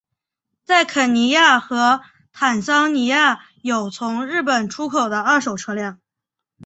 在肯尼亚和坦桑尼亚有从日本出口的二手车辆。